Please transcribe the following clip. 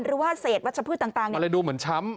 หรือว่าเศษวัชพืชต่างนี่อ๋อเหรอคะมันเลยดูเหมือนช้ำ